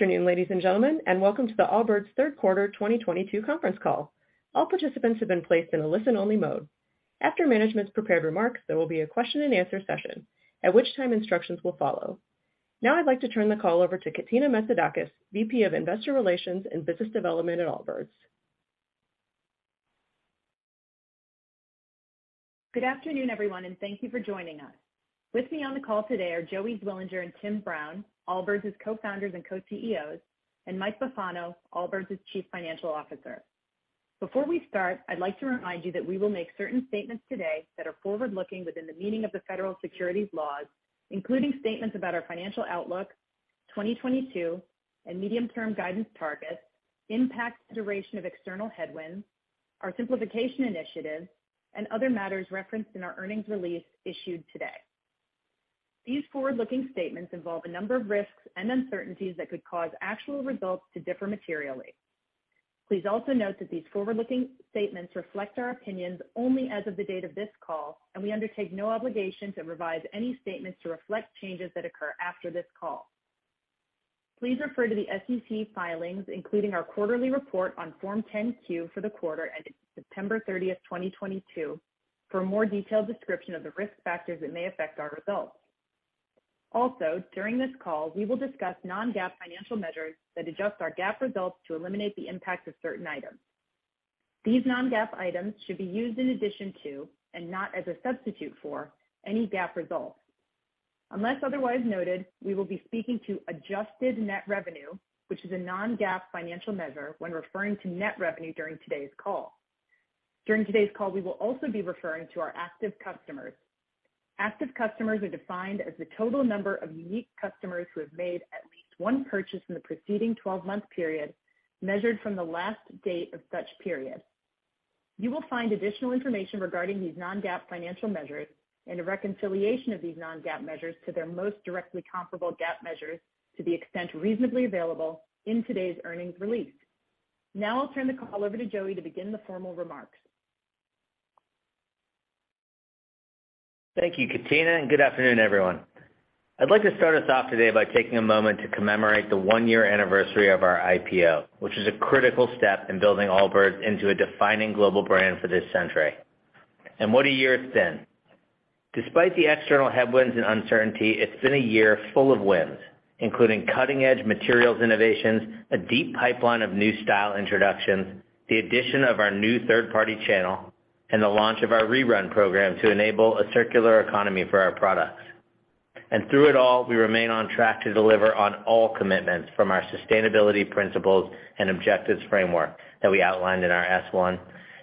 Good afternoon, ladies and gentlemen, and welcome to the Allbirds third quarter 2022 conference call. All participants have been placed in a listen-only mode. After management's prepared remarks, there will be a question and answer session, at which time instructions will follow. Now I'd like to turn the call over to Katina Metzidakis, VP of investor relations and business development at Allbirds. Good afternoon, everyone, thank you for joining us. With me on the call today are Joey Zwillinger and Tim Brown, Allbirds' Co-Founders and Co-CEOs, Mike Bufano, Allbirds' chief financial officer. Before we start, I'd like to remind you that we will make certain statements today that are forward-looking within the meaning of the federal securities laws, including statements about our financial outlook, 2022, and medium-term guidance targets, impact and duration of external headwinds, our simplification initiative, and other matters referenced in our earnings release issued today. These forward-looking statements involve a number of risks and uncertainties that could cause actual results to differ materially. Please also note that these forward-looking statements reflect our opinions only as of the date of this call, we undertake no obligation to revise any statements to reflect changes that occur after this call. Please refer to the SEC filings, including our quarterly report on Form 10-Q for the quarter ended September 30th, 2022, for a more detailed description of the risk factors that may affect our results. During this call, we will discuss non-GAAP financial measures that adjust our GAAP results to eliminate the impact of certain items. These non-GAAP items should be used in addition to, not as a substitute for, any GAAP results. Unless otherwise noted, we will be speaking to adjusted net revenue, which is a non-GAAP financial measure when referring to net revenue during today's call. During today's call, we will also be referring to our active customers. Active customers are defined as the total number of unique customers who have made at least one purchase in the preceding 12-month period, measured from the last date of such period. You will find additional information regarding these non-GAAP financial measures, a reconciliation of these non-GAAP measures to their most directly comparable GAAP measures to the extent reasonably available in today's earnings release. Now I'll turn the call over to Joey to begin the formal remarks. Thank you, Katina, and good afternoon, everyone. I'd like to start us off today by taking a moment to commemorate the one-year anniversary of our IPO, which is a critical step in building Allbirds into a defining global brand for this century. What a year it's been. Despite the external headwinds and uncertainty, it's been a year full of wins, including cutting edge materials innovations, a deep pipeline of new style introductions, the addition of our new third-party channel, and the launch of our ReRun program to enable a circular economy for our products. Through it all, we remain on track to deliver on all commitments from our sustainability principles and objectives framework that we outlined in our S1,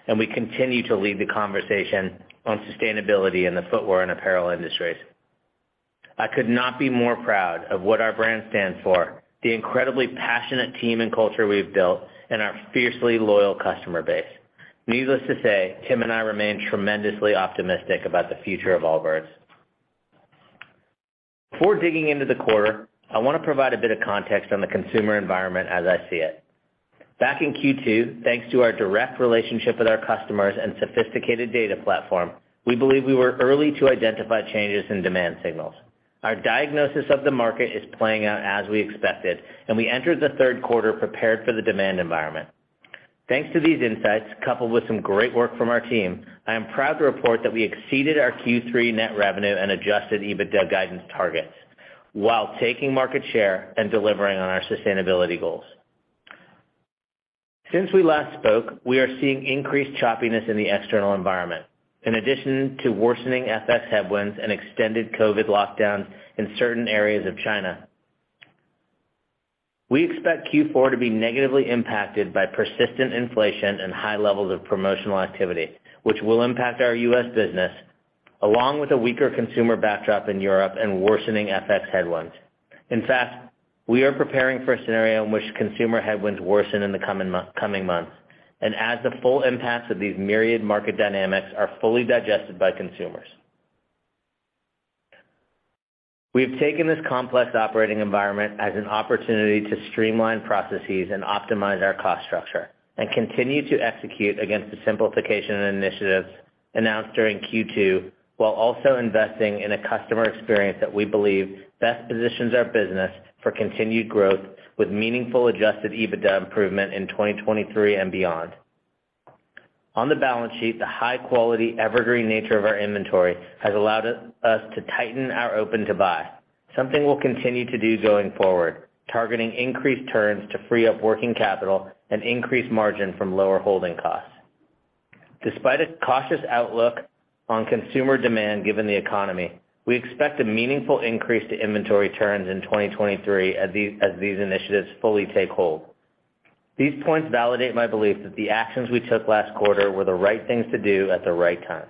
and we continue to lead the conversation on sustainability in the footwear and apparel industries. I could not be more proud of what our brand stands for, the incredibly passionate team and culture we've built, and our fiercely loyal customer base. Needless to say, Tim and I remain tremendously optimistic about the future of Allbirds. Before digging into the quarter, I want to provide a bit of context on the consumer environment as I see it. Back in Q2, thanks to our direct relationship with our customers and sophisticated data platform, we believe we were early to identify changes in demand signals. Our diagnosis of the market is playing out as we expected, and we entered the third quarter prepared for the demand environment. Thanks to these insights, coupled with some great work from our team, I am proud to report that we exceeded our Q3 net revenue and adjusted EBITDA guidance targets while taking market share and delivering on our sustainability goals. Since we last spoke, we are seeing increased choppiness in the external environment. In addition to worsening FX headwinds and extended COVID lockdowns in certain areas of China, we expect Q4 to be negatively impacted by persistent inflation and high levels of promotional activity, which will impact our U.S. business, along with a weaker consumer backdrop in Europe and worsening FX headwinds. In fact, we are preparing for a scenario in which consumer headwinds worsen in the coming months, as the full impacts of these myriad market dynamics are fully digested by consumers. We have taken this complex operating environment as an opportunity to streamline processes and optimize our cost structure and continue to execute against the simplification initiatives announced during Q2, while also investing in a customer experience that we believe best positions our business for continued growth with meaningful adjusted EBITDA improvement in 2023 and beyond. On the balance sheet, the high quality, evergreen nature of our inventory has allowed us to tighten our open-to-buy, something we'll continue to do going forward, targeting increased turns to free up working capital and increase margin from lower holding costs. Despite a cautious outlook on consumer demand given the economy, we expect a meaningful increase to inventory turns in 2023 as these initiatives fully take hold. These points validate my belief that the actions we took last quarter were the right things to do at the right time.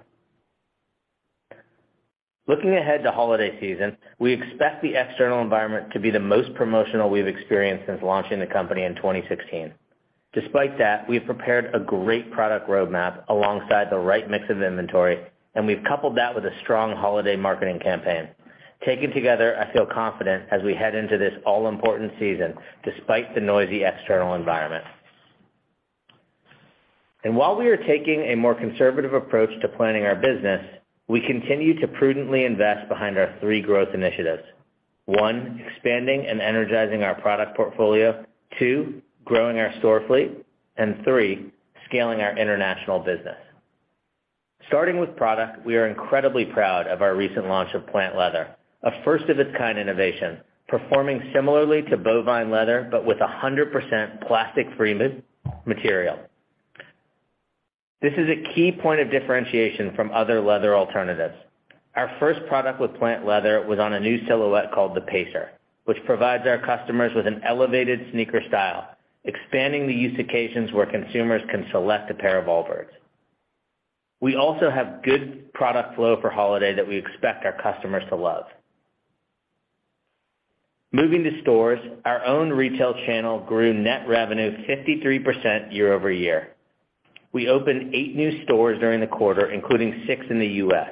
Looking ahead to holiday season, we expect the external environment to be the most promotional we've experienced since launching the company in 2016. Despite that, we have prepared a great product roadmap alongside the right mix of inventory, and we've coupled that with a strong holiday marketing campaign. Taken together, I feel confident as we head into this all-important season, despite the noisy external environment. While we are taking a more conservative approach to planning our business, we continue to prudently invest behind our three growth initiatives. One, expanding and energizing our product portfolio. Two, growing our store fleet. Three, scaling our international business. Starting with product, we are incredibly proud of our recent launch of Plant Leather, a first of its kind innovation performing similarly to bovine leather, but with 100% plastic-free material. This is a key point of differentiation from other leather alternatives. Our first product with Plant Leather was on a new silhouette called the Pacer, which provides our customers with an elevated sneaker style, expanding the use occasions where consumers can select a pair of Allbirds. We also have good product flow for holiday that we expect our customers to love. Moving to stores, our own retail channel grew net revenue 53% year-over-year. We opened eight new stores during the quarter, including six in the U.S.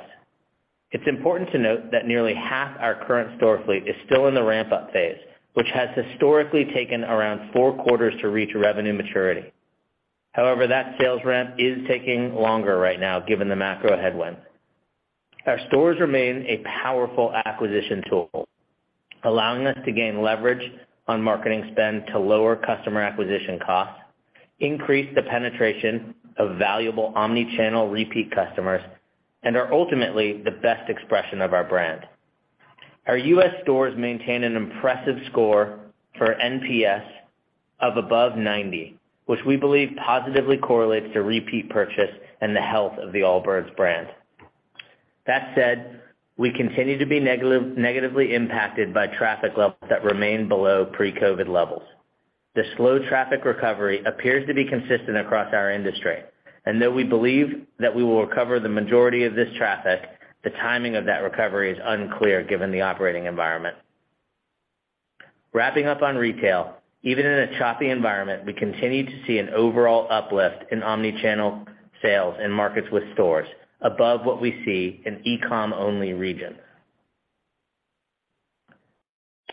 It's important to note that nearly half our current store fleet is still in the ramp-up phase, which has historically taken around four quarters to reach revenue maturity. However, that sales ramp is taking longer right now, given the macro headwinds. Our stores remain a powerful acquisition tool, allowing us to gain leverage on marketing spend to lower customer acquisition costs, increase the penetration of valuable omni-channel repeat customers, and are ultimately the best expression of our brand. Our U.S. stores maintain an impressive score for NPS of above 90, which we believe positively correlates to repeat purchase and the health of the Allbirds brand. That said, we continue to be negatively impacted by traffic levels that remain below pre-COVID levels. The slow traffic recovery appears to be consistent across our industry. Though we believe that we will recover the majority of this traffic, the timing of that recovery is unclear given the operating environment. Wrapping up on retail. Even in a choppy environment, we continue to see an overall uplift in omni-channel sales in markets with stores above what we see in e-com only regions.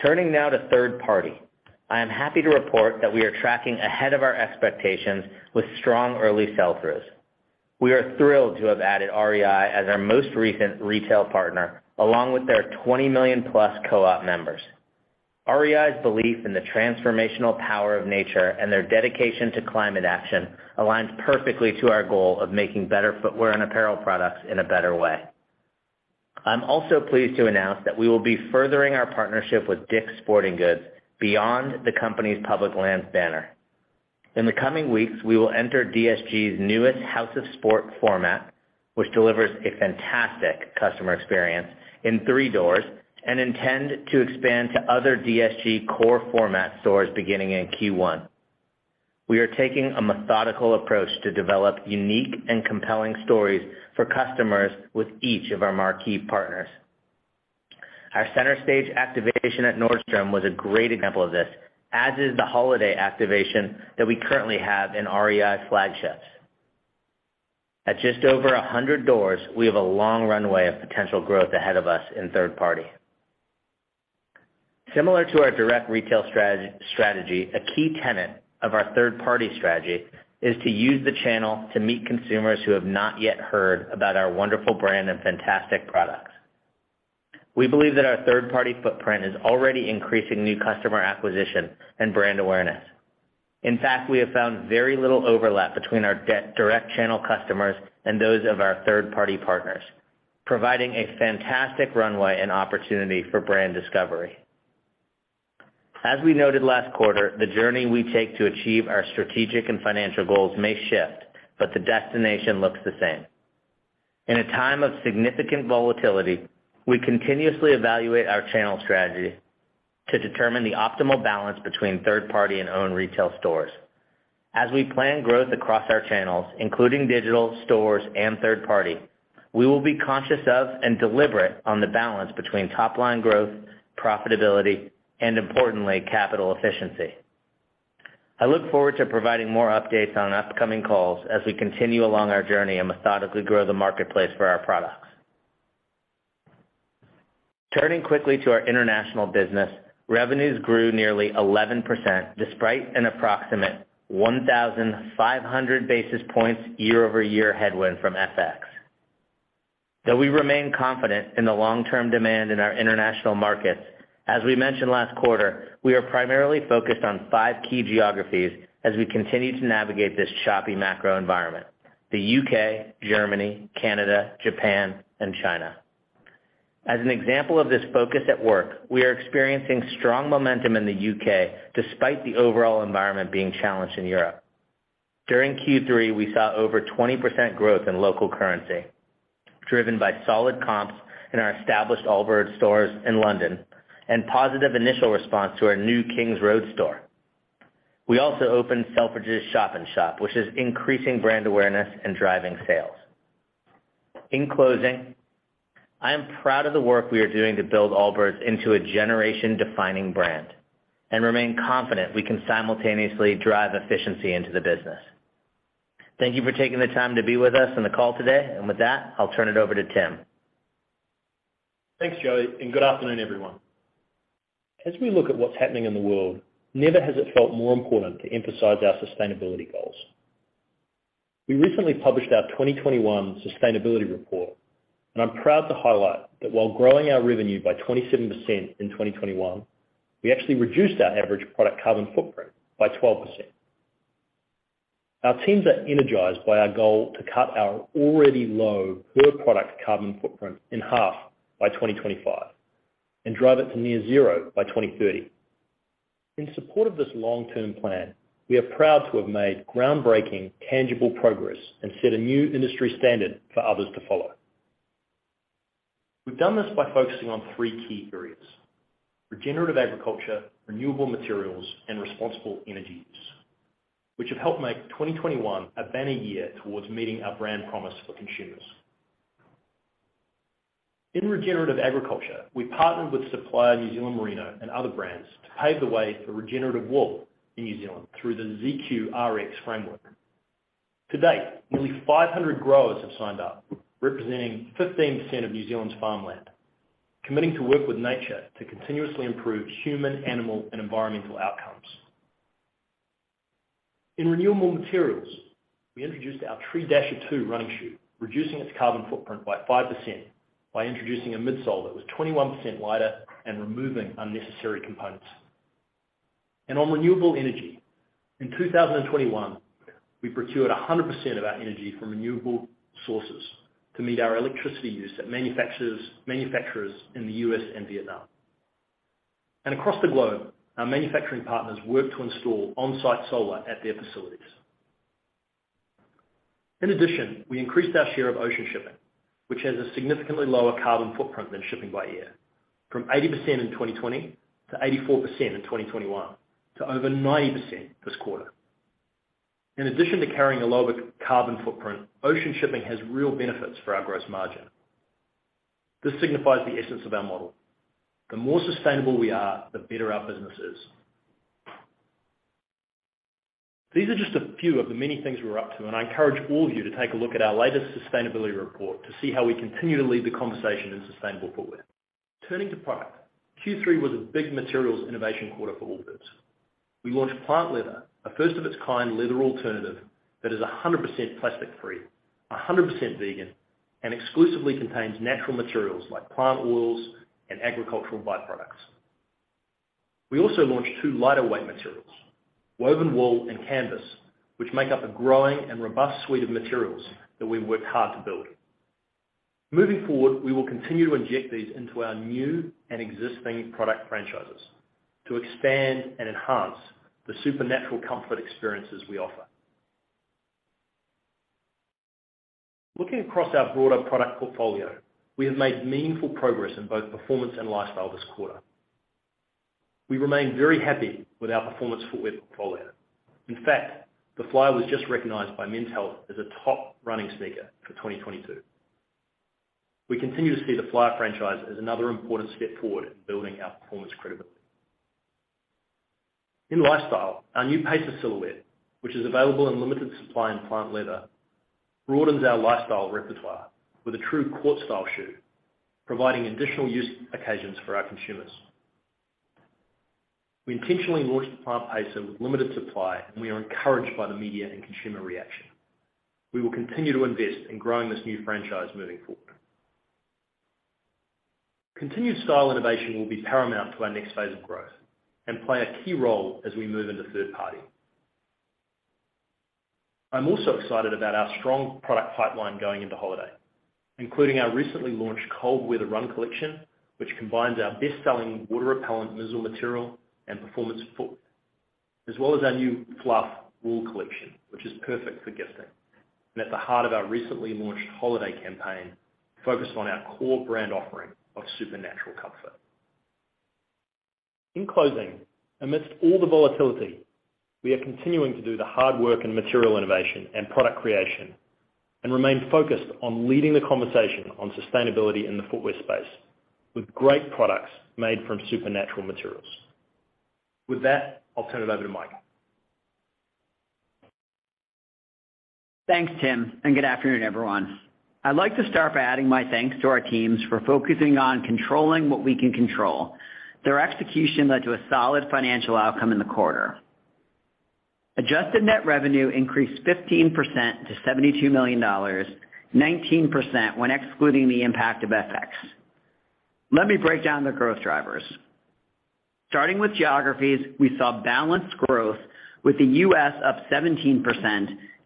Turning now to third party. I am happy to report that we are tracking ahead of our expectations with strong early sell-throughs. We are thrilled to have added REI as our most recent retail partner, along with their 20 million-plus co-op members. REI's belief in the transformational power of nature and their dedication to climate action aligns perfectly to our goal of making better footwear and apparel products in a better way. I'm also pleased to announce that we will be furthering our partnership with DICK'S Sporting Goods beyond the company's Public Lands banner. In the coming weeks, we will enter DSG's newest House of Sport format, which delivers a fantastic customer experience in three doors. We intend to expand to other DSG core format stores beginning in Q1. We are taking a methodical approach to develop unique and compelling stories for customers with each of our marquee partners. Our center stage activation at Nordstrom was a great example of this, as is the holiday activation that we currently have in REI flagships. At just over 100 doors, we have a long runway of potential growth ahead of us in third party. Similar to our direct retail strategy, a key tenet of our third-party strategy is to use the channel to meet consumers who have not yet heard about our wonderful brand and fantastic products. We believe that our third-party footprint is already increasing new customer acquisition and brand awareness. In fact, we have found very little overlap between our direct channel customers and those of our third-party partners, providing a fantastic runway and opportunity for brand discovery. As we noted last quarter, the journey we take to achieve our strategic and financial goals may shift, but the destination looks the same. In a time of significant volatility, we continuously evaluate our channel strategy to determine the optimal balance between third-party and own retail stores. As we plan growth across our channels, including digital stores and third-party, we will be conscious of and deliberate on the balance between top line growth, profitability, and importantly, capital efficiency. I look forward to providing more updates on upcoming calls as we continue along our journey and methodically grow the marketplace for our products. Turning quickly to our international business, revenues grew nearly 11%, despite an approximate 1,500 basis points year-over-year headwind from FX. Though we remain confident in the long-term demand in our international markets, as we mentioned last quarter, we are primarily focused on five key geographies as we continue to navigate this choppy macro environment: the U.K., Germany, Canada, Japan, and China. As an example of this focus at work, we are experiencing strong momentum in the U.K. despite the overall environment being challenged in Europe. During Q3, we saw over 20% growth in local currency, driven by solid comps in our established Allbirds stores in London and positive initial response to our new Kings Road store. We also opened Selfridges shop-in-shop, which is increasing brand awareness and driving sales. In closing, I am proud of the work we are doing to build Allbirds into a generation-defining brand and remain confident we can simultaneously drive efficiency into the business. Thank you for taking the time to be with us on the call today. With that, I'll turn it over to Tim. Thanks, Joey, good afternoon, everyone. As we look at what's happening in the world, never has it felt more important to emphasize our sustainability goals. We recently published our 2021 sustainability report, and I'm proud to highlight that while growing our revenue by 27% in 2021, we actually reduced our average product carbon footprint by 12%. Our teams are energized by our goal to cut our already low per product carbon footprint in half by 2025, and drive it to near zero by 2030. In support of this long-term plan, we are proud to have made groundbreaking, tangible progress and set a new industry standard for others to follow. We've done this by focusing on three key areas. Regenerative agriculture, renewable materials, and responsible energy use, which have helped make 2021 a banner year towards meeting our brand promise for consumers. In regenerative agriculture, we partnered with supplier New Zealand Merino and other brands to pave the way for regenerative wool in New Zealand through the ZQRX framework. To date, nearly 500 growers have signed up, representing 15% of New Zealand's farmland, committing to work with nature to continuously improve human, animal, and environmental outcomes. In renewable materials, we introduced our Tree Dasher 2 running shoe, reducing its carbon footprint by 5% by introducing a midsole that was 21% lighter and removing unnecessary components. On renewable energy, in 2021, we procured 100% of our energy from renewable sources to meet our electricity use at manufacturers in the U.S. and Vietnam. Across the globe, our manufacturing partners worked to install on-site solar at their facilities. In addition, we increased our share of ocean shipping, which has a significantly lower carbon footprint than shipping by air, from 80% in 2020 to 84% in 2021 to over 90% this quarter. In addition to carrying a lower carbon footprint, ocean shipping has real benefits for our gross margin. This signifies the essence of our model. The more sustainable we are, the better our business is. These are just a few of the many things we're up to, and I encourage all of you to take a look at our latest sustainability report to see how we continue to lead the conversation in sustainable footwear. Turning to product, Q3 was a big materials innovation quarter for Allbirds. We launched Plant Leather, a first of its kind leather alternative that is 100% plastic-free, 100% vegan, and exclusively contains natural materials like plant oils and agricultural byproducts. We also launched two lighter weight materials, woven wool and Canvas, which make up a growing and robust suite of materials that we've worked hard to build. Moving forward, we will continue to inject these into our new and existing product franchises to expand and enhance the supernatural comfort experiences we offer. Looking across our broader product portfolio, we have made meaningful progress in both performance and lifestyle this quarter. We remain very happy with our performance footwear portfolio. In fact, the Flyer was just recognized by Men's Health as a top running sneaker for 2022. We continue to see the Flyer franchise as another important step forward in building our performance credibility. In lifestyle, our new Pacer silhouette, which is available in limited supply in Plant Leather, broadens our lifestyle repertoire with a true court style shoe, providing additional use occasions for our consumers. We intentionally launched the Plant Pacer with limited supply, and we are encouraged by the media and consumer reaction. We will continue to invest in growing this new franchise moving forward. Continued style innovation will be paramount to our next phase of growth and play a key role as we move into third party. I'm also excited about our strong product pipeline going into holiday, including our recently launched cold weather run collection, which combines our best-selling water repellent Mizzle material and performance footwear, as well as our new Fluff Wool collection, which is perfect for gifting, at the heart of our recently launched holiday campaign, focused on our core brand offering of supernatural comfort. In closing, amidst all the volatility, we are continuing to do the hard work in material innovation and product creation, remain focused on leading the conversation on sustainability in the footwear space with great products made from supernatural materials. With that, I'll turn it over to Mike. Thanks, Tim, good afternoon, everyone. I'd like to start by adding my thanks to our teams for focusing on controlling what we can control. Their execution led to a solid financial outcome in the quarter. Adjusted net revenue increased 15% to $72 million, 19% when excluding the impact of FX. Let me break down the growth drivers. Starting with geographies, we saw balanced growth with the U.S. up 17%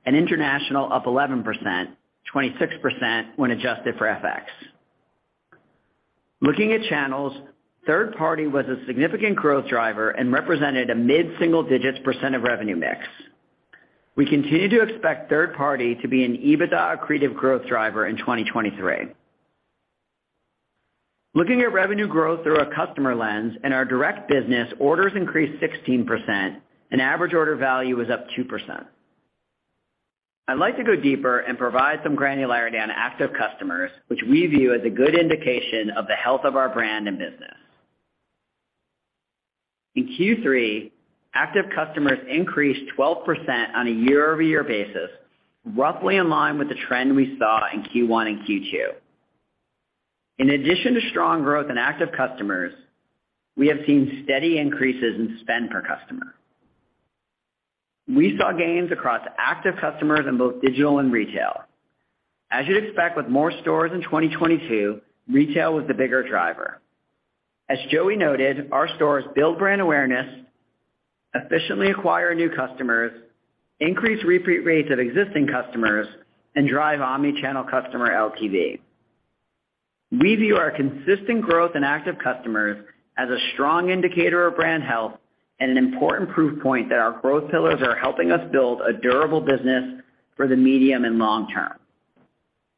and international up 11%, 26% when adjusted for FX. Looking at channels, third party was a significant growth driver and represented a mid-single-digits percent of revenue mix. We continue to expect third party to be an EBITDA accretive growth driver in 2023. Looking at revenue growth through a customer lens, in our direct business, orders increased 16%, and average order value was up 2%. I'd like to go deeper and provide some granularity on active customers, which we view as a good indication of the health of our brand and business. In Q3, active customers increased 12% on a year-over-year basis, roughly in line with the trend we saw in Q1 and Q2. In addition to strong growth in active customers, we have seen steady increases in spend per customer. We saw gains across active customers in both digital and retail. As you'd expect with more stores in 2022, retail was the bigger driver. As Joey noted, our stores build brand awareness, efficiently acquire new customers, increase repeat rates of existing customers, and drive omni-channel customer LTV. We view our consistent growth in active customers as a strong indicator of brand health and an important proof point that our growth pillars are helping us build a durable business for the medium and long term.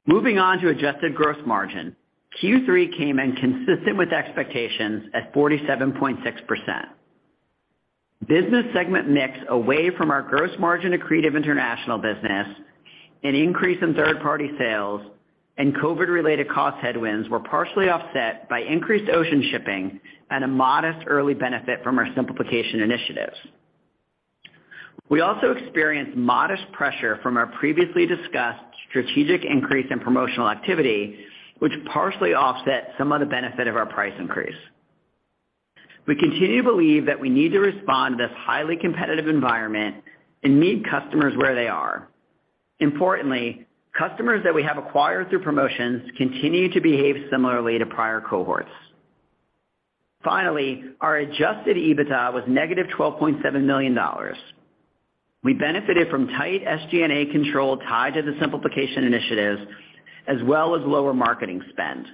Moving on to adjusted gross margin. Q3 came in consistent with expectations at 47.6%. Business segment mix away from our gross margin accretive international business, an increase in third-party sales, and COVID-related cost headwinds were partially offset by increased ocean shipping and a modest early benefit from our simplification initiatives. We also experienced modest pressure from our previously discussed strategic increase in promotional activity, which partially offset some of the benefit of our price increase. We continue to believe that we need to respond to this highly competitive environment and meet customers where they are. Importantly, customers that we have acquired through promotions continue to behave similarly to prior cohorts. Finally, our adjusted EBITDA was negative $12.7 million. We benefited from tight SG&A control tied to the simplification initiatives, as well as lower marketing spend.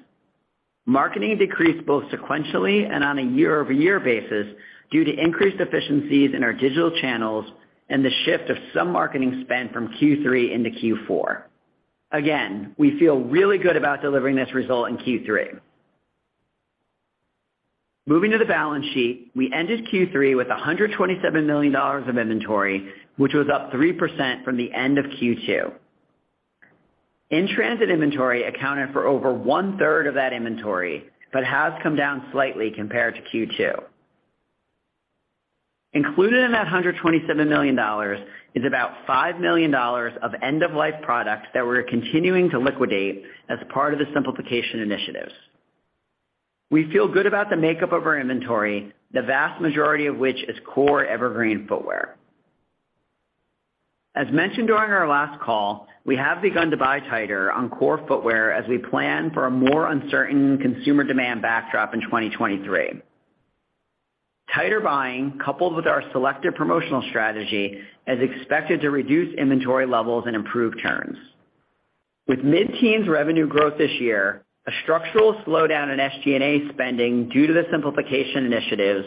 Marketing decreased both sequentially and on a year-over-year basis due to increased efficiencies in our digital channels and the shift of some marketing spend from Q3 into Q4. Again, we feel really good about delivering this result in Q3. Moving to the balance sheet, we ended Q3 with $127 million of inventory, which was up 3% from the end of Q2. In-transit inventory accounted for over one-third of that inventory, but has come down slightly compared to Q2. Included in that $127 million is about $5 million of end-of-life products that we're continuing to liquidate as part of the simplification initiatives. We feel good about the makeup of our inventory, the vast majority of which is core evergreen footwear. As mentioned during our last call, we have begun to buy tighter on core footwear as we plan for a more uncertain consumer demand backdrop in 2023. Tighter buying, coupled with our selective promotional strategy, is expected to reduce inventory levels and improve turns. With mid-teens revenue growth this year, a structural slowdown in SG&A spending due to the simplification initiatives,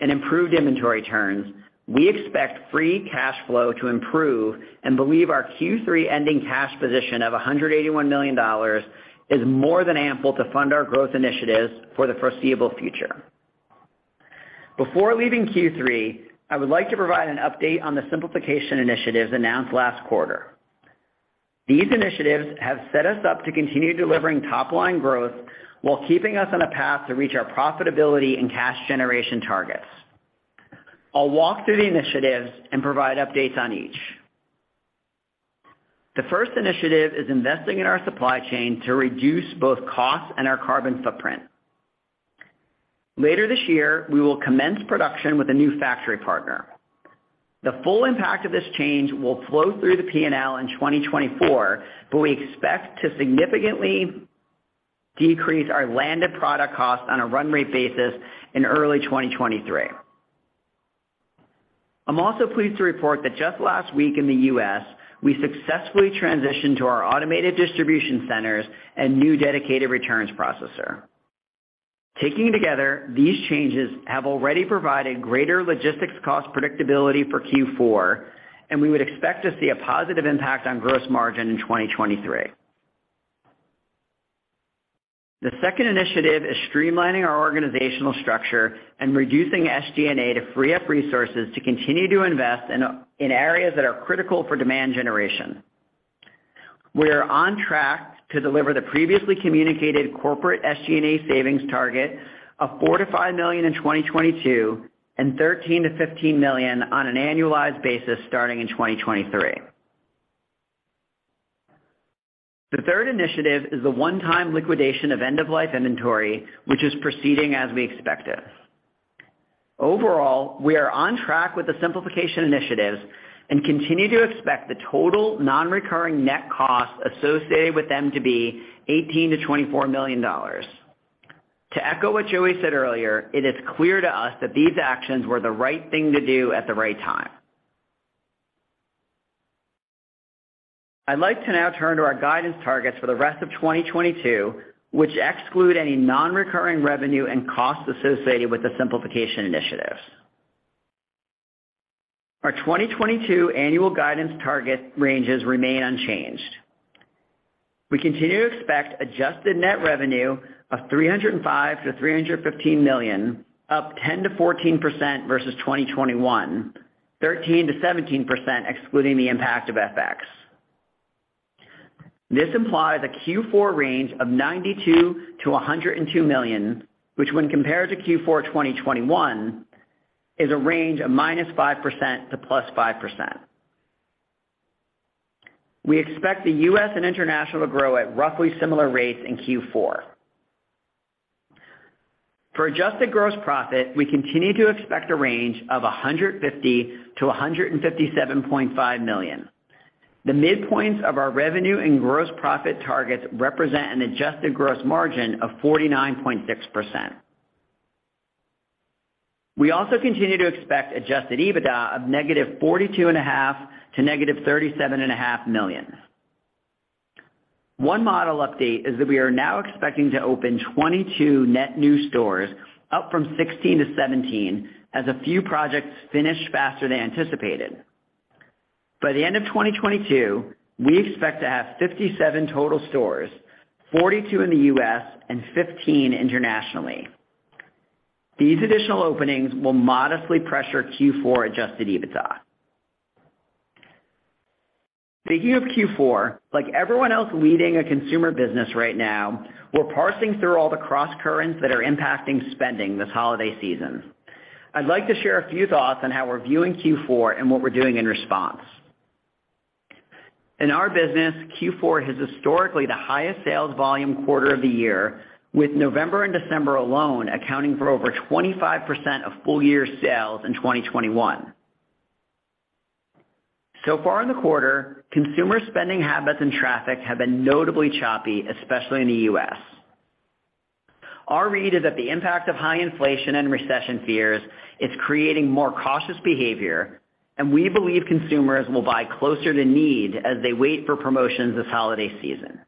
and improved inventory turns, we expect free cash flow to improve and believe our Q3 ending cash position of $181 million is more than ample to fund our growth initiatives for the foreseeable future. Before leaving Q3, I would like to provide an update on the simplification initiatives announced last quarter. These initiatives have set us up to continue delivering top-line growth while keeping us on a path to reach our profitability and cash generation targets. I'll walk through the initiatives and provide updates on each. The first initiative is investing in our supply chain to reduce both costs and our carbon footprint. Later this year, we will commence production with a new factory partner. The full impact of this change will flow through the P&L in 2024, but we expect to significantly decrease our landed product cost on a run-rate basis in early 2023. I'm also pleased to report that just last week in the U.S., we successfully transitioned to our automated distribution centers a new dedicated returns processor. Taken together, these changes have already provided greater logistics cost predictability for Q4, and we would expect to see a positive impact on gross margin in 2023. The second initiative is streamlining our organizational structure and reducing SG&A to free up resources to continue to invest in areas that are critical for demand generation. We are on track to deliver the previously communicated corporate SG&A savings target of $4 million-$5 million in 2022 and $13 million-$15 million on an annualized basis starting in 2023. The third initiative is the one-time liquidation of end-of-life inventory, which is proceeding as we expected. Overall, we are on track with the simplification initiatives and continue to expect the total non-recurring net cost associated with them to be $18 million-$24 million. To echo what Joey said earlier, it is clear to us that these actions were the right thing to do at the right time. I'd like to now turn to our guidance targets for the rest of 2022, which exclude any non-recurring revenue and costs associated with the simplification initiatives. Our 2022 annual guidance target ranges remain unchanged. We continue to expect adjusted net revenue of $305 million-$315 million, up 10%-14% versus 2021, 13%-17% excluding the impact of FX. This implies a Q4 range of $92 million-$102 million, which when compared to Q4 2021, is a range of -5% to +5%. We expect the U.S. and international to grow at roughly similar rates in Q4. For adjusted gross profit, we continue to expect a range of $150 million-$157.5 million. The midpoints of our revenue and gross profit targets represent an adjusted gross margin of 49.6%. We also continue to expect adjusted EBITDA of -$42.5 million to -$37.5 million. One model update is that we are now expecting to open 22 net new stores, up from 16-17, as a few projects finished faster than anticipated. By the end of 2022, we expect to have 57 total stores, 42 in the U.S. and 15 internationally. These additional openings will modestly pressure Q4 adjusted EBITDA. Speaking of Q4, like everyone else leading a consumer business right now, we're parsing through all the crosscurrents that are impacting spending this holiday season. I'd like to share a few thoughts on how we're viewing Q4 and what we're doing in response. In our business, Q4 is historically the highest sales volume quarter of the year, with November and December alone accounting for over 25% of full year sales in 2021. So far in the quarter, consumer spending habits and traffic have been notably choppy, especially in the U.S. Our read is that the impact of high inflation and recession fears is creating more cautious behavior, and we believe consumers will buy closer to need as they wait for promotions this holiday season.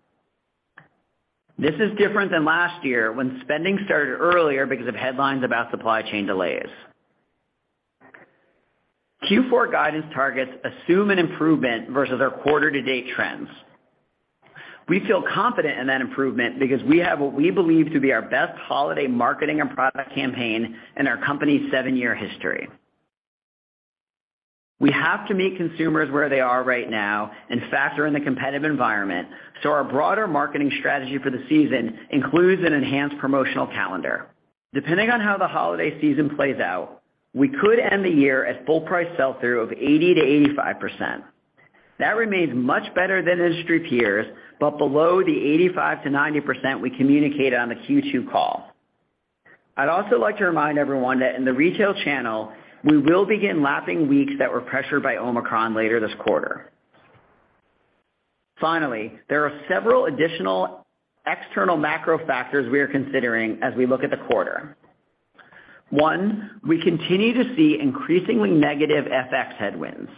This is different than last year, when spending started earlier because of headlines about supply chain delays. Q4 guidance targets assume an improvement versus our quarter to date trends. We feel confident in that improvement because we have what we believe to be our best holiday marketing and product campaign in our company's seven-year history. We have to meet consumers where they are right now and factor in the competitive environment, so our broader marketing strategy for the season includes an enhanced promotional calendar. Depending on how the holiday season plays out, we could end the year at full price sell through of 80%-85%. That remains much better than industry peers, but below the 85%-90% we communicated on the Q2 call. Finally, there are several additional external macro factors we are considering as we look at the quarter. One, I continue to see increasingly negative FX headwinds.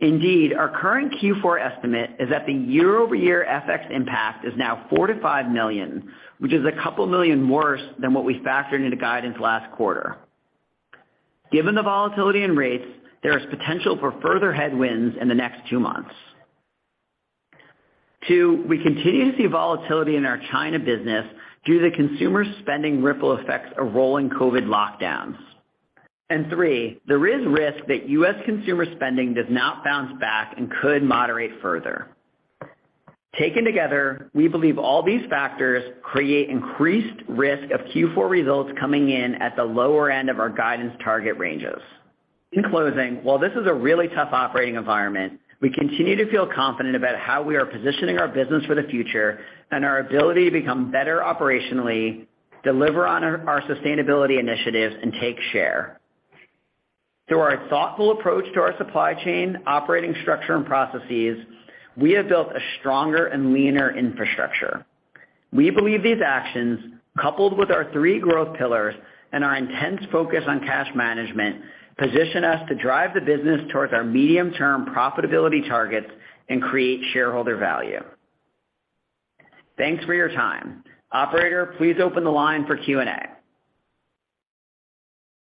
Indeed, our current Q4 estimate is that the year-over-year FX impact is now $4 million-$5 million, which is a couple million worse than what we factored into guidance last quarter. Given the volatility in rates, there is potential for further headwinds in the next two months. Two, I continue to see volatility in our China business due to consumer spending ripple effects of rolling COVID lockdowns. Three, there is risk that U.S. consumer spending does not bounce back and could moderate further. Taken together, we believe all these factors create increased risk of Q4 results coming in at the lower end of our guidance target ranges. In closing, while this is a really tough operating environment, we continue to feel confident about how we are positioning our business for the future and our ability to become better operationally, deliver on our sustainability initiatives, and take share. Through our thoughtful approach to our supply chain, operating structure and processes, we have built a stronger and leaner infrastructure. We believe these actions, coupled with our 3 growth pillars and our intense focus on cash management, position us to drive the business towards our medium-term profitability targets and create shareholder value. Thanks for your time. Operator, please open the line for Q&A.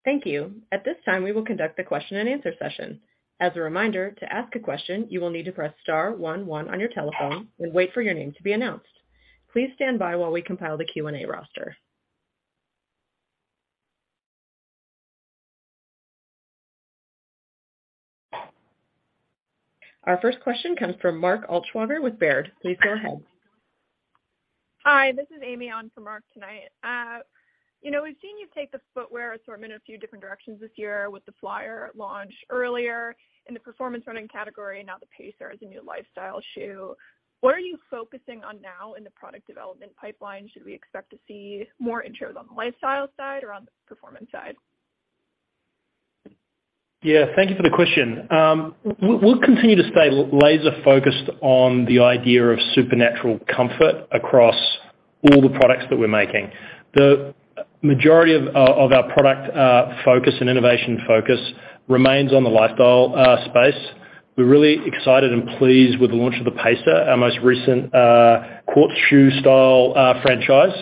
Thank you. At this time, we will conduct a question and answer session. As a reminder, to ask a question, you will need to press star 11 on your telephone and wait for your name to be announced. Please stand by while we compile the Q&A roster. Our first question comes from Mark Altschwager with Baird. Please go ahead. Hi, this is Amy on for Mark tonight. We've seen you take the footwear assortment a few different directions this year with the Flyer launch earlier in the performance running category and now the Pacer as a new lifestyle shoe. What are you focusing on now in the product development pipeline? Should we expect to see more intros on the lifestyle side or on the performance side? Yeah. Thank you for the question. We'll continue to stay laser focused on the idea of supernatural comfort across all the products that we're making. The majority of our product focus and innovation focus remains on the lifestyle space. We're really excited and pleased with the launch of the Pacer, our most recent court shoe style franchise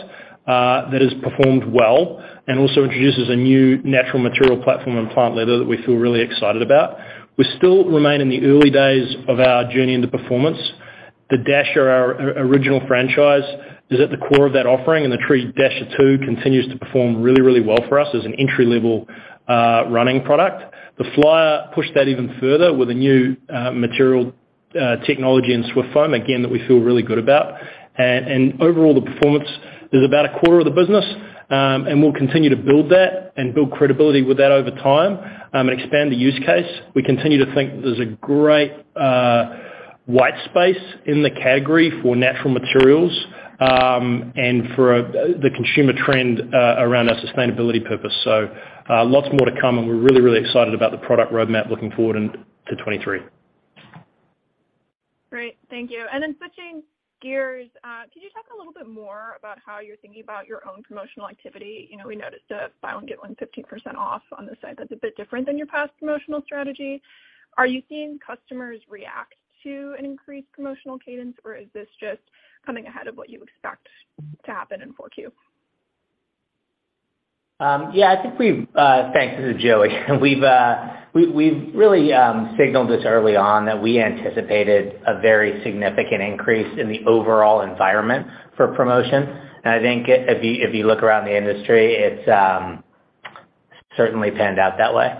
that has performed well and also introduces a new natural material platform and Plant Leather that we feel really excited about. We still remain in the early days of our journey into performance. The Dasher, our original franchise, is at the core of that offering, and the Tree Dasher 2 continues to perform really well for us as an entry level running product. The Flyer pushed that even further with a new material technology in SwiftFoam, again, that we feel really good about. overall, the performance is about a quarter of the business. We'll continue to build that and build credibility with that over time, and expand the use case. We continue to think that there's a great white space in the category for natural materials, and for the consumer trend around our sustainability purpose. Lots more to come and we're really, really excited about the product roadmap looking forward into 2023. Great. Thank you. Then switching gears, could you talk a little bit more about how you're thinking about your own promotional activity? We noticed a buy one, get one 15% off on the site. That's a bit different than your past promotional strategy. Are you seeing customers react to an increased promotional cadence, or is this just coming ahead of what you expect to happen in Q4? Yeah. Thanks. This is Joey. We've really signaled this early on that we anticipated a very significant increase in the overall environment for promotion. I think if you look around the industry, it's certainly panned out that way.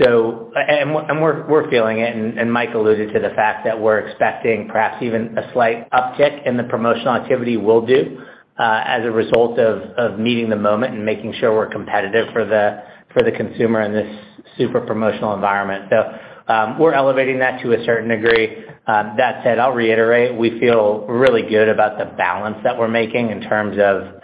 We're feeling it, and Mike alluded to the fact that we're expecting perhaps even a slight uptick in the promotional activity we'll do, as a result of meeting the moment and making sure we're competitive for the consumer in this super promotional environment. We're elevating that to a certain degree. That said, I'll reiterate, we feel really good about the balance that we're making in terms of,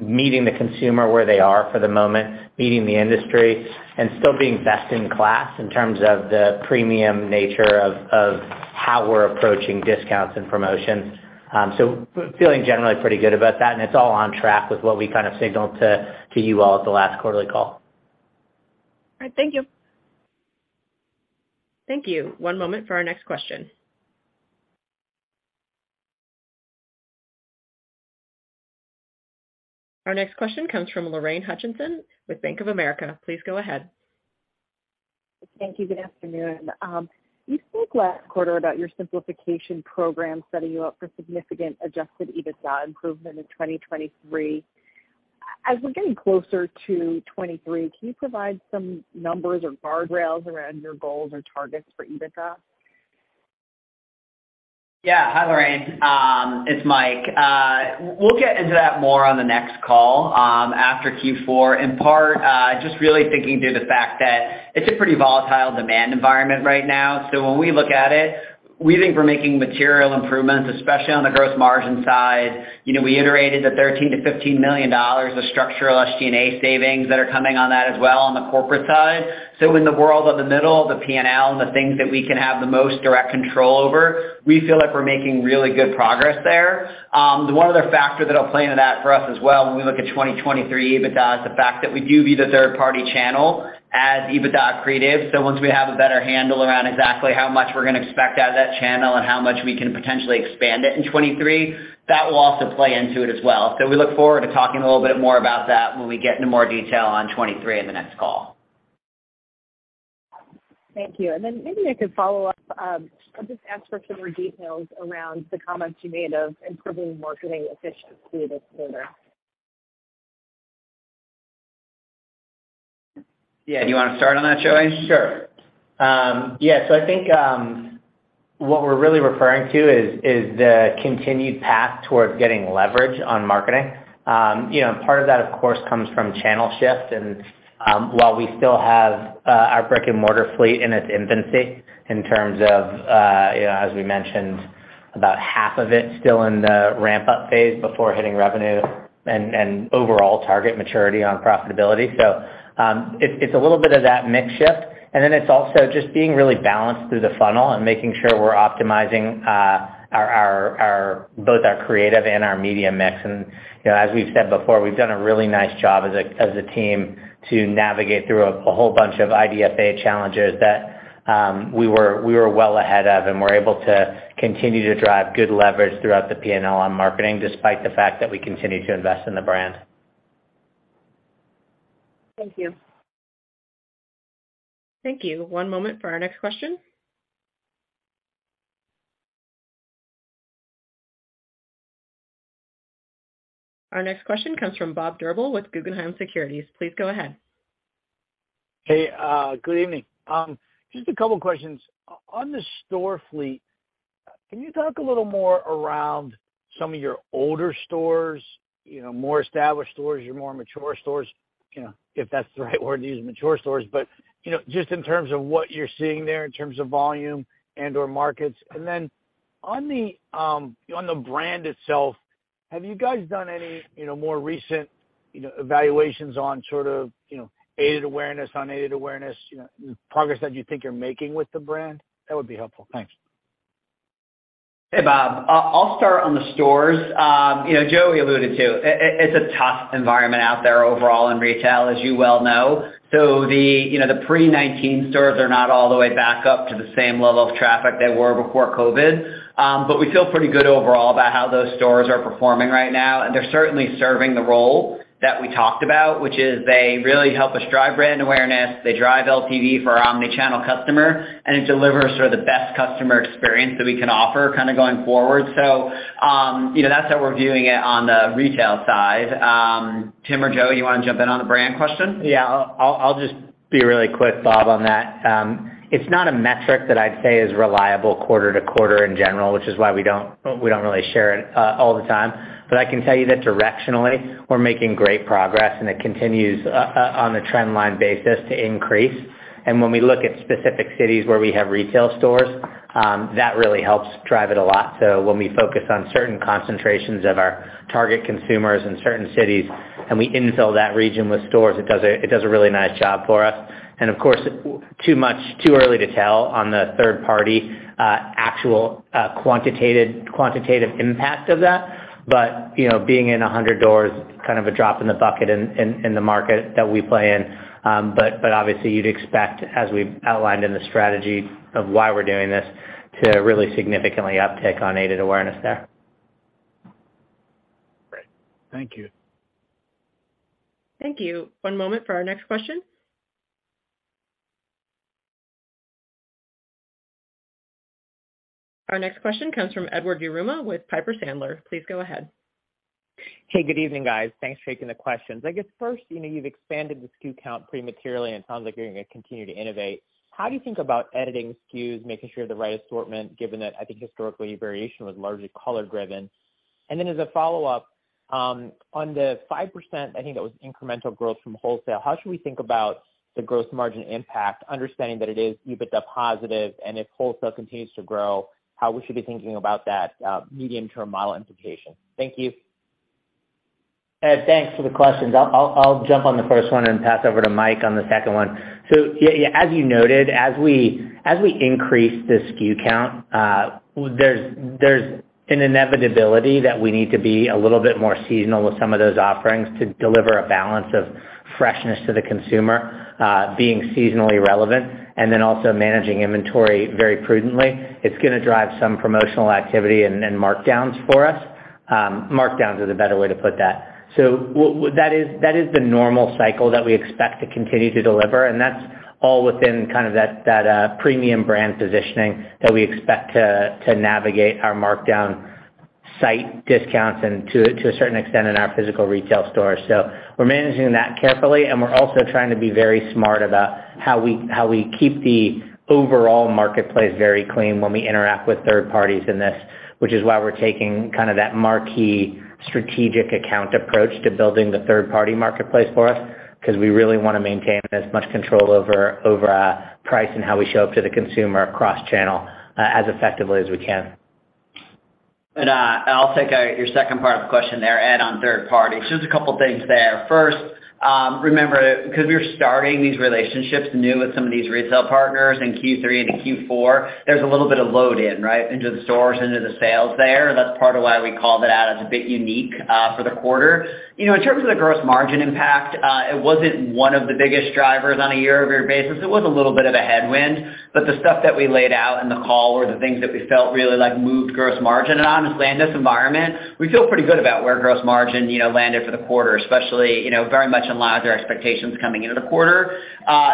meeting the consumer where they are for the moment, meeting the industry, and still being best in class in terms of the premium nature of how we're approaching discounts and promotions. Feeling generally pretty good about that, and it's all on track with what we signaled to you all at the last quarterly call. All right. Thank you. Thank you. One moment for our next question. Our next question comes from Lorraine Hutchinson with Bank of America. Please go ahead. Thank you. Good afternoon. You spoke last quarter about your simplification program setting you up for significant adjusted EBITDA improvement in 2023. As we're getting closer to 2023, can you provide some numbers or guardrails around your goals or targets for EBITDA? Yeah. Hi, Lorraine. It's Mike. We'll get into that more on the next call, after Q4, in part, just really thinking through the fact that it's a pretty volatile demand environment right now. When we look at it, we think we're making material improvements, especially on the gross margin side. We iterated the $13 million-$15 million of structural SG&A savings that are coming on that as well on the corporate side. In the world of the middle of the P&L and the things that we can have the most direct control over, we feel like we're making really good progress there. The one other factor that'll play into that for us as well when we look at 2023 EBITDA, is the fact that we do view the third-party channel as EBITDA accretive. Once we have a better handle around exactly how much we're going to expect out of that channel and how much we can potentially expand it in 2023, that will also play into it as well. We look forward to talking a little bit more about that when we get into more detail on 2023 in the next call. Thank you. Maybe I could follow up. I'll just ask for some more details around the comments you made of improving marketing efficiency this year. Yeah. Do you want to start on that, Joey? Sure. I think, what we're really referring to is the continued path towards getting leverage on marketing. Part of that, of course, comes from channel shift and, while we still have our brick-and-mortar fleet in its infancy in terms of, as we mentioned, about half of it still in the ramp-up phase before hitting revenue and overall target maturity on profitability. It's a little bit of that mix shift, and then it's also just being really balanced through the funnel and making sure we're optimizing both our creative and our media mix. As we've said before, we've done a really nice job as a team to navigate through a whole bunch of IDFA challenges that we were well ahead of and were able to continue to drive good leverage throughout the P&L on marketing, despite the fact that we continue to invest in the brand. Thank you. Thank you. One moment for our next question. Our next question comes from Bob Drbul with Guggenheim Securities. Please go ahead. Hey, good evening. Just a couple questions. On the store fleet, can you talk a little more around some of your older stores, more established stores, your more mature stores, if that's the right word to use, mature stores. Just in terms of what you're seeing there in terms of volume and/or markets. On the brand itself, have you guys done any more recent evaluations on aided awareness, unaided awareness, progress that you think you're making with the brand? That would be helpful. Thanks. Hey, Bob. I'll start on the stores. Joey alluded to, it's a tough environment out there overall in retail, as you well know. The pre-'19 stores are not all the way back up to the same level of traffic they were before COVID. We feel pretty good overall about how those stores are performing right now, and they're certainly serving the role that we talked about, which is they really help us drive brand awareness, they drive LTV for our omni-channel customer, and it delivers the best customer experience that we can offer going forward. That's how we're viewing it on the retail side. Tim or Joey, you want to jump in on the brand question? Yeah. I'll just be really quick, Bob, on that. It's not a metric that I'd say is reliable quarter-to-quarter in general, which is why we don't really share it all the time. I can tell you that directionally, we're making great progress, and it continues on a trend line basis to increase. When we look at specific cities where we have retail stores, that really helps drive it a lot. When we focus on certain concentrations of our target consumers in certain cities, and we infill that region with stores, it does a really nice job for us. Of course, too early to tell on the third party, actual, quantitative impact of that. Being in 100 doors, kind of a drop in the bucket in the market that we play in. Obviously you'd expect, as we've outlined in the strategy of why we're doing this, to really significantly uptick on aided awareness there. Great. Thank you. Thank you. One moment for our next question. Our next question comes from Edward Yruma with Piper Sandler. Please go ahead. Hey, good evening, guys. Thanks for taking the questions. I guess first, you've expanded the SKU count pretty materially, and it sounds like you're going to continue to innovate. How do you think about editing SKUs, making sure the right assortment, given that, I think historically, variation was largely color-driven? And then as a follow-up, on the 5%, I think that was incremental growth from wholesale, how should we think about the gross margin impact, understanding that it is EBITDA positive, and if wholesale continues to grow, how we should be thinking about that medium-term model implication? Thank you. Ed, thanks for the questions. I'll jump on the first one and pass over to Mike on the second one. As you noted, as we increase the SKU count, there's an inevitability that we need to be a little bit more seasonal with some of those offerings to deliver a balance of freshness to the consumer, being seasonally relevant, and then also managing inventory very prudently. It's going to drive some promotional activity and markdowns for us. Markdowns is a better way to put that. That is the normal cycle that we expect to continue to deliver, and that's all within that premium brand positioning that we expect to navigate our markdown site discounts, and to a certain extent, in our physical retail stores. We're managing that carefully, and we're also trying to be very smart about how we keep the overall marketplace very clean when we interact with third parties in this. Which is why we're taking that marquee strategic account approach to building the third party marketplace for us, because we really want to maintain as much control over price and how we show up to the consumer cross-channel, as effectively as we can. I'll take your second part of the question there, Ed, on third-party. Just a couple things there. First, remember, because we're starting these relationships new with some of these retail partners in Q3 into Q4, there's a little bit of load-in, right? Into the stores, into the sales there. That's part of why we called it out as a bit unique for the quarter. In terms of the gross margin impact, it wasn't one of the biggest drivers on a year-over-year basis. It was a little bit of a headwind, but the stuff that we laid out in the call were the things that we felt really moved gross margin. Honestly, in this environment, we feel pretty good about where gross margin landed for the quarter, especially very much in line with our expectations coming into the quarter.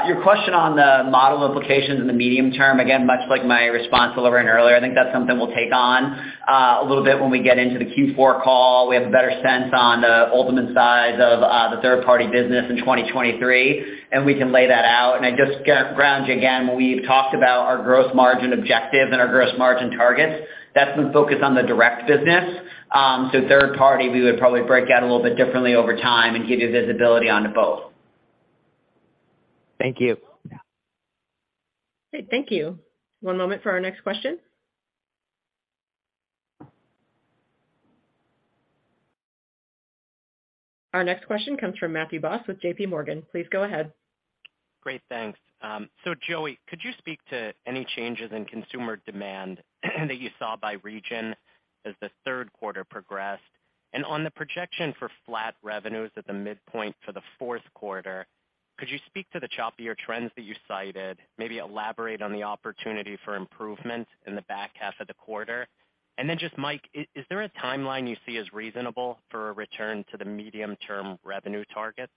Your question on the model implications in the medium term, again, much like my response a little bit earlier, I think that's something we'll take on a little bit when we get into the Q4 call. We have a better sense on the ultimate size of the third-party business in 2023, and we can lay that out. I just ground you again, when we've talked about our gross margin objective and our gross margin targets, that's been focused on the direct business. Third-party, we would probably break out a little bit differently over time and give you visibility onto both. Thank you. Yeah. Great. Thank you. One moment for our next question. Our next question comes from Matthew Boss with JPMorgan. Please go ahead. Great, thanks. Joey, could you speak to any changes in consumer demand that you saw by region as the third quarter progressed? On the projection for flat revenues at the midpoint for the fourth quarter, could you speak to the choppier trends that you cited? Maybe elaborate on the opportunity for improvement in the back half of the quarter. Then just Mike, is there a timeline you see as reasonable for a return to the medium-term revenue targets?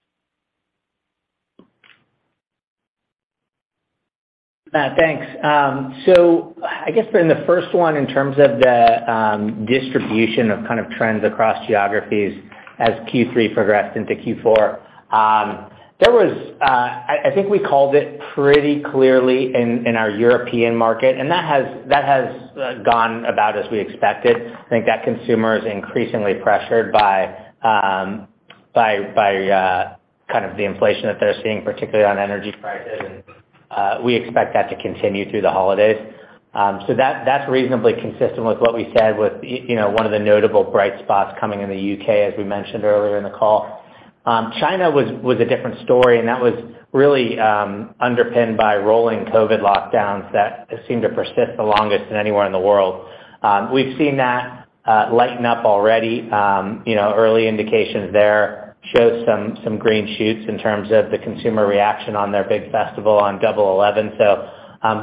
Matt, thanks. I guess for the first one, in terms of the distribution of trends across geographies as Q3 progressed into Q4. I think we called it pretty clearly in our European market, that has gone about as we expected. I think that consumer is increasingly pressured by the inflation that they're seeing, particularly on energy prices, we expect that to continue through the holidays. That's reasonably consistent with what we said with one of the notable bright spots coming in the U.K., as we mentioned earlier in the call. China was a different story, that was really underpinned by rolling COVID lockdowns that seemed to persist the longest than anywhere in the world. We've seen that lighten up already. Early indications there show some green shoots in terms of the consumer reaction on their big festival on Double Eleven.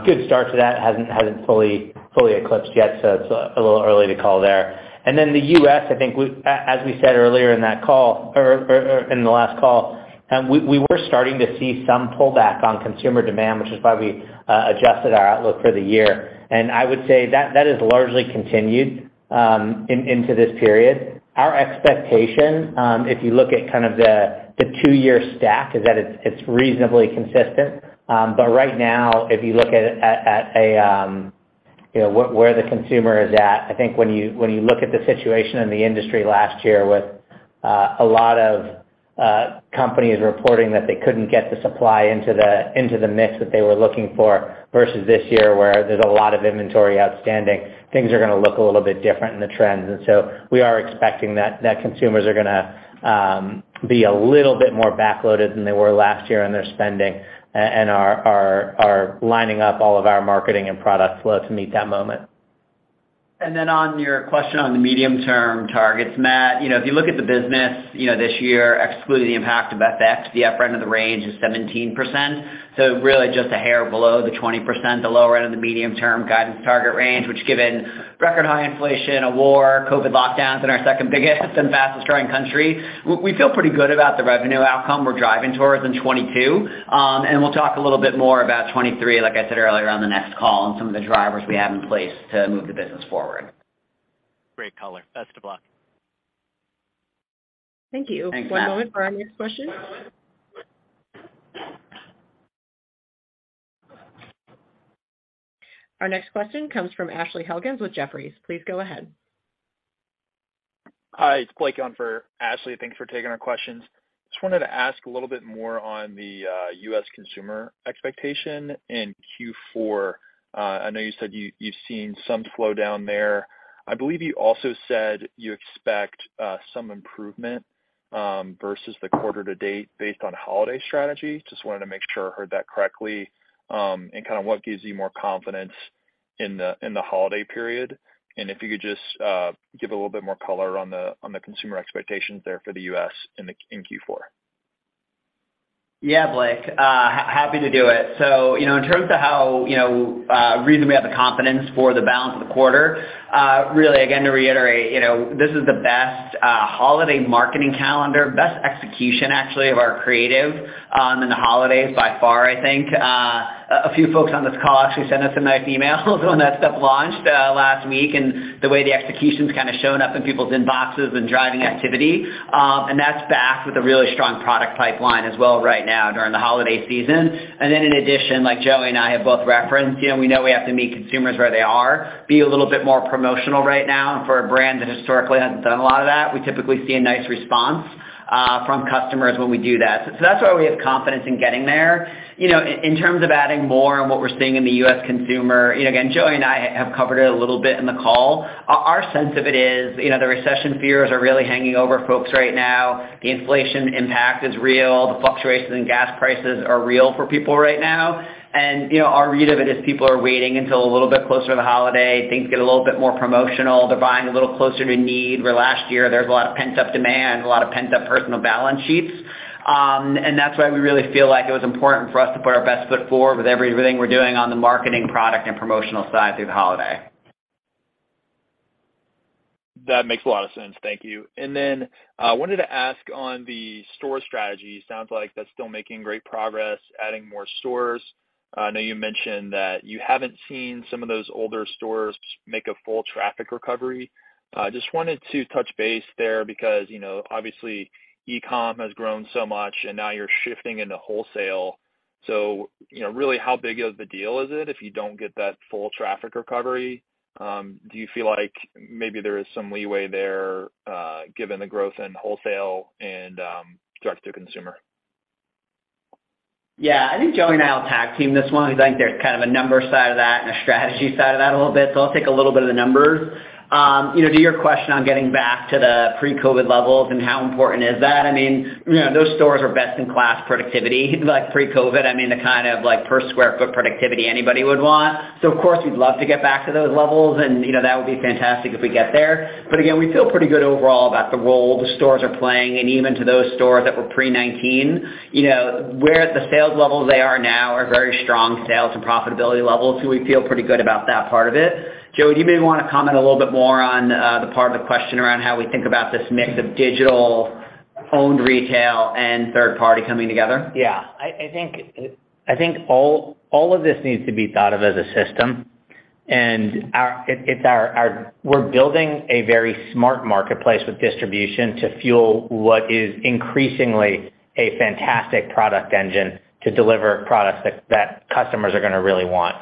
Good start to that. Hasn't fully eclipsed yet, so it's a little early to call there. Then the U.S., I think, as we said earlier in the last call, we were starting to see some pullback on consumer demand, which is why we adjusted our outlook for the year. I would say that has largely continued into this period. Our expectation, if you look at the two-year stack, is that it's reasonably consistent. Right now, if you look at where the consumer is at. I think when you look at the situation in the industry last year with a lot of companies reporting that they couldn't get the supply into the mix that they were looking for, versus this year, where there's a lot of inventory outstanding, things are going to look a little bit different in the trends. We are expecting that consumers are going to be a little bit more backloaded than they were last year in their spending, are lining up all of our marketing and product flow to meet that moment. On your question on the medium-term targets, Matt, if you look at the business this year, excluding the impact of FX, the upfront end of the range is 17%. Really just a hair below the 20%, the lower end of the medium-term guidance target range, which given record high inflation, a war, COVID lockdowns in our second biggest and fastest growing country, we feel pretty good about the revenue outcome we're driving towards in 2022. We'll talk a little bit more about 2023, like I said earlier, on the next call, and some of the drivers we have in place to move the business forward. Great color. Best of luck. Thank you. Thanks, Matt. One moment for our next question. Our next question comes from Ashley Helgans with Jefferies. Please go ahead. Hi, it's Blake on for Ashley. Thanks for taking our questions. Just wanted to ask a little bit more on the U.S. consumer expectation in Q4. I know you said you've seen some slowdown there. I believe you also said you expect some improvement versus the quarter to date based on holiday strategy. Just wanted to make sure I heard that correctly. What gives you more confidence in the holiday period? If you could just give a little bit more color on the consumer expectations there for the U.S. in Q4. Yeah, Blake. Happy to do it. In terms of how the reason we have the confidence for the balance of the quarter, really again, to reiterate, this is the best holiday marketing calendar, best execution actually of our creative in the holidays by far, I think. A few folks on this call actually sent us a nice email when that stuff launched last week, and the way the execution's shown up in people's inboxes and driving activity. That's backed with a really strong product pipeline as well right now during the holiday season. Then in addition, like Joey and I have both referenced, we know we have to meet consumers where they are, be a little bit more promotional right now. For a brand that historically hasn't done a lot of that, we typically see a nice response from customers when we do that. That's why we have confidence in getting there. In terms of adding more on what we're seeing in the U.S. consumer, again, Joey and I have covered it a little bit in the call. Our sense of it is, the recession fears are really hanging over folks right now. The inflation impact is real. The fluctuations in gas prices are real for people right now. Our read of it is people are waiting until a little bit closer to the holiday, things get a little bit more promotional. They're buying a little closer to need. Where last year, there was a lot of pent-up demand, a lot of pent-up personal balance sheets. That's why we really feel like it was important for us to put our best foot forward with everything we're doing on the marketing, product, and promotional side through the holiday. That makes a lot of sense. Thank you. I wanted to ask on the store strategy, sounds like that's still making great progress adding more stores. I know you mentioned that you haven't seen some of those older stores make a full traffic recovery. Just wanted to touch base there because, obviously, e-com has grown so much, and now you're shifting into wholesale. Really, how big of a deal is it if you don't get that full traffic recovery? Do you feel like maybe there is some leeway there given the growth in wholesale and direct to consumer? Yeah, I think Joey and I will tag team this one, because I think there's kind of a numbers side of that and a strategy side of that a little bit. I'll take a little bit of the numbers. To your question on getting back to the pre-COVID levels and how important is that, those stores were best in class productivity, like pre-COVID. The kind of per square foot productivity anybody would want. Of course, we'd love to get back to those levels, and that would be fantastic if we get there. Again, we feel pretty good overall about the role the stores are playing, and even to those stores that were pre-'19. Where the sales levels they are now are very strong sales and profitability levels, we feel pretty good about that part of it. Joey, do you maybe want to comment a little bit more on the part of the question around how we think about this mix of digital, owned retail, and third party coming together? Yeah. I think all of this needs to be thought of as a system. We're building a very smart marketplace with distribution to fuel what is increasingly a fantastic product engine to deliver products that customers are going to really want.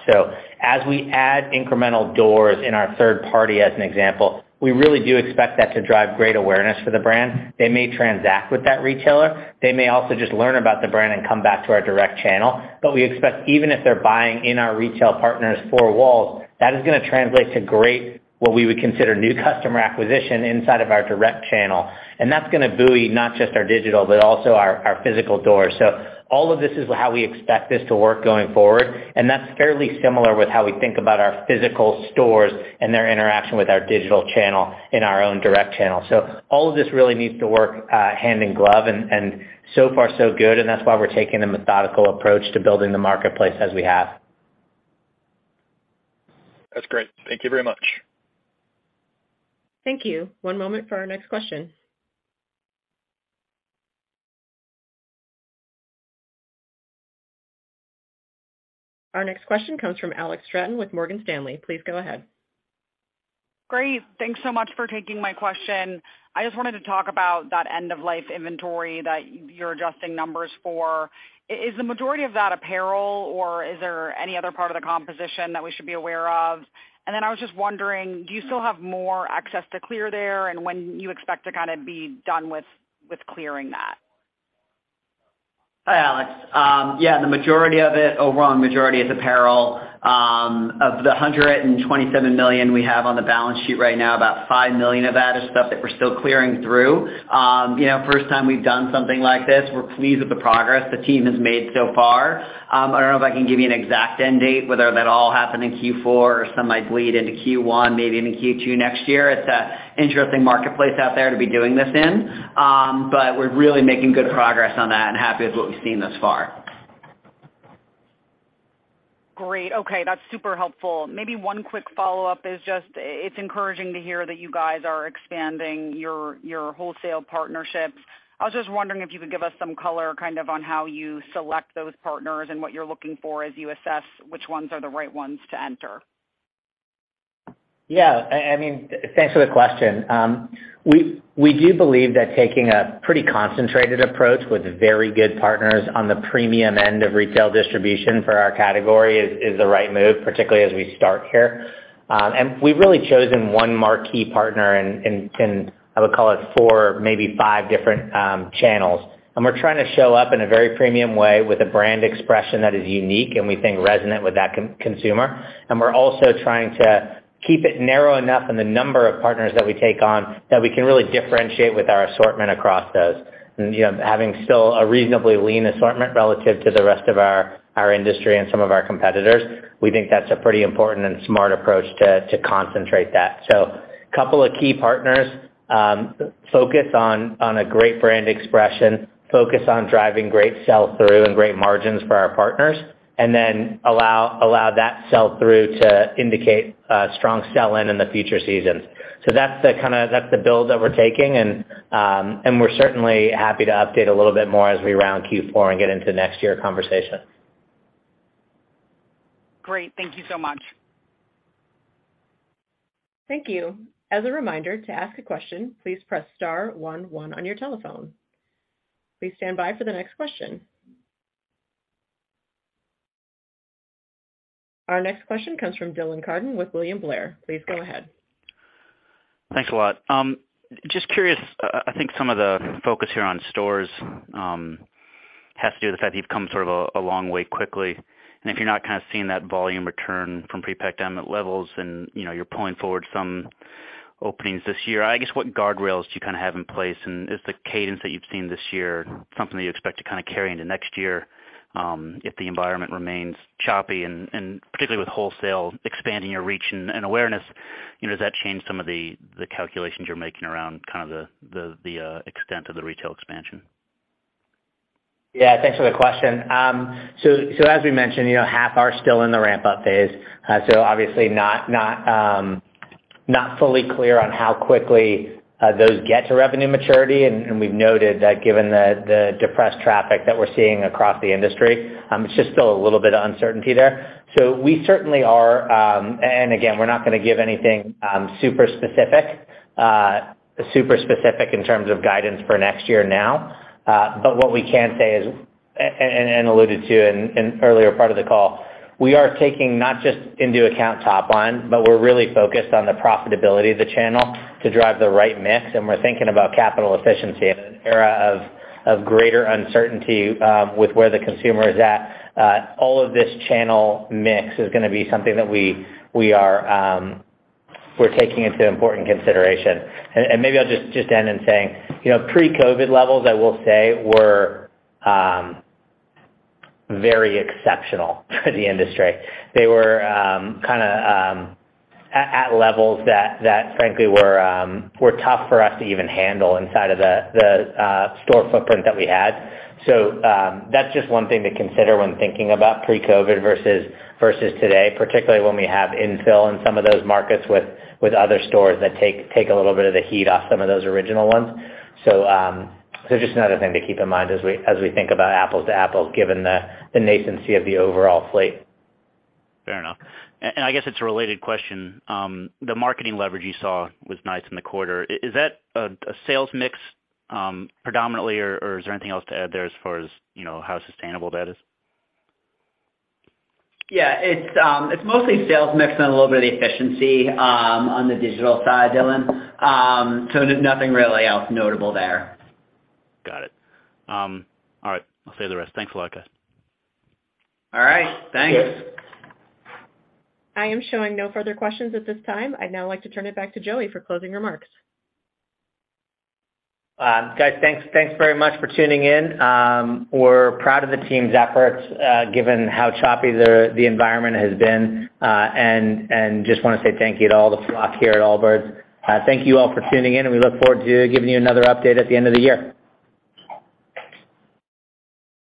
As we add incremental doors in our third party as an example, we really do expect that to drive great awareness for the brand. They may transact with that retailer. They may also just learn about the brand and come back to our direct channel. We expect even if they're buying in our retail partner's four walls, that is going to translate to great, what we would consider new customer acquisition inside of our direct channel. That's going to buoy not just our digital, but also our physical doors. All of this is how we expect this to work going forward, and that's fairly similar with how we think about our physical stores and their interaction with our digital channel and our own direct channel. All of this really needs to work hand in glove, and so far so good, and that's why we're taking a methodical approach to building the marketplace as we have. That's great. Thank you very much. Thank you. One moment for our next question. Our next question comes from Alex Straton with Morgan Stanley. Please go ahead. Great. Thanks so much for taking my question. I just wanted to talk about that end-of-life inventory that you're adjusting numbers for. Is the majority of that apparel, or is there any other part of the composition that we should be aware of? I was just wondering, do you still have more access to clear there? When you expect to kind of be done with clearing that? Hi, Alex. The majority of it, overall majority is apparel. Of the $127 million we have on the balance sheet right now, about $5 million of that is stuff that we're still clearing through. First time we've done something like this. We're pleased with the progress the team has made so far. I don't know if I can give you an exact end date whether that all happened in Q4 or some might bleed into Q1, maybe into Q2 next year. It's a interesting marketplace out there to be doing this in. We're really making good progress on that and happy with what we've seen thus far. Great. Okay. That's super helpful. Maybe one quick follow-up is just, it's encouraging to hear that you guys are expanding your wholesale partnerships. I was just wondering if you could give us some color kind of on how you select those partners and what you're looking for as you assess which ones are the right ones to enter. Thanks for the question. We do believe that taking a pretty concentrated approach with very good partners on the premium end of retail distribution for our category is the right move, particularly as we start here. We've really chosen one marquee partner in, I would call it, four, maybe five different channels. We're trying to show up in a very premium way with a brand expression that is unique and we think resonant with that consumer. We're also trying to keep it narrow enough in the number of partners that we take on that we can really differentiate with our assortment across those. Having still a reasonably lean assortment relative to the rest of our industry and some of our competitors, we think that's a pretty important and smart approach to concentrate that. Couple of key partners, focus on a great brand expression, focus on driving great sell-through and great margins for our partners, and then allow that sell-through to indicate a strong sell-in in the future seasons. That's the build that we're taking, and we're certainly happy to update a little bit more as we round Q4 and get into next year conversations. Great. Thank you so much. Thank you. As a reminder, to ask a question, please press *11 on your telephone. Please stand by for the next question. Our next question comes from Dylan Carden with William Blair. Please go ahead. Thanks a lot. Just curious, I think some of the focus here on stores has to do with the fact that you've come sort of a long way quickly, and if you're not kind of seeing that volume return from pre-pandemic levels and you're pulling forward some openings this year, I guess, what guardrails do you have in place, and is the cadence that you've seen this year something that you expect to carry into next year if the environment remains choppy, and particularly with wholesale, expanding your reach and awareness, does that change some of the calculations you're making around the extent of the retail expansion? Yeah. Thanks for the question. As we mentioned, half are still in the ramp-up phase. Obviously not fully clear on how quickly those get to revenue maturity, and we've noted that given the depressed traffic that we're seeing across the industry, it's just still a little bit of uncertainty there. We certainly are. Again, we're not going to give anything super specific in terms of guidance for next year now. What we can say is, and alluded to in earlier part of the call, we are taking not just into account top line, but we're really focused on the profitability of the channel to drive the right mix, and we're thinking about capital efficiency in an era of greater uncertainty with where the consumer is at. All of this channel mix is going to be something that we're taking into important consideration. Maybe I'll just end in saying, pre-COVID levels, I will say, were very exceptional for the industry. They were at levels that frankly were tough for us to even handle inside of the store footprint that we had. That's just one thing to consider when thinking about pre-COVID versus today, particularly when we have infill in some of those markets with other stores that take a little bit of the heat off some of those original ones. Just another thing to keep in mind as we think about apples to apples, given the nascency of the overall fleet. Fair enough. I guess it's a related question. The marketing leverage you saw was nice in the quarter. Is that a sales mix predominantly, or is there anything else to add there as far as how sustainable that is? Yeah. It's mostly sales mix and a little bit of efficiency on the digital side, Dylan. Nothing really else notable there. Got it. All right. I'll say the rest. Thanks a lot, guys. All right. Thanks. I am showing no further questions at this time. I'd now like to turn it back to Joey for closing remarks. Guys, thanks very much for tuning in. We're proud of the team's efforts, given how choppy the environment has been. Just want to say thank you to all the flock here at Allbirds. Thank you all for tuning in. We look forward to giving you another update at the end of the year.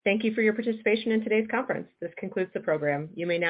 Thank you for your participation in today's conference. This concludes the program. You may now disconnect your telephone.